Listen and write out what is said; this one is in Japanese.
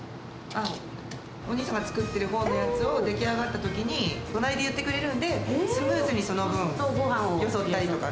あっ、お兄さんが作ったほうのやつが出来上がったときに、隣で言ってくれるんで、スムーズにその分、よそったりとか。